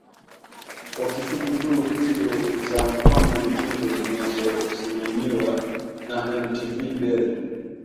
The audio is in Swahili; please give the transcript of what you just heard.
kwa kifupi tu tuzo za mama ni tuzo zinazo simamiwa na mtv bell